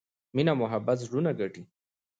مینه او محبت زړونه ګټي.